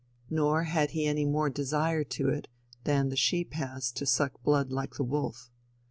Nor had he any more desire to it than the sheep has to suck blood like the wolf.